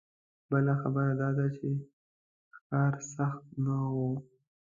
بله خبره دا ده چې ښکار سخت نه و.